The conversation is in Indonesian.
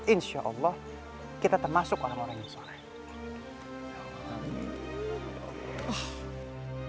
insyaallah kita termasuk orang orang yang soleh